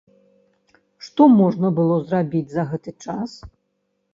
Што можна было зрабіць за гэты час?